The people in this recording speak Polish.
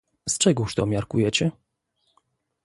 "Z czegóż to miarkujecie?"